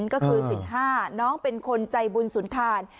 ก็คือ๑๕น้องเป็นคนใจบุญสุนทาน